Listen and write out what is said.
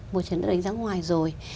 một trường đã đánh giá ngoài rồi